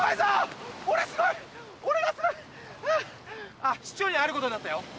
あっ市長に会えることになったよ。